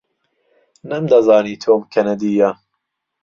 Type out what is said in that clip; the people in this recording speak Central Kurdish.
نەمدەزانی تۆم کەنەدییە.